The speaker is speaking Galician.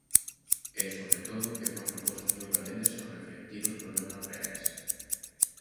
E, sobre todo, que fan propostas moi valentes ao reflectir os problemas reais.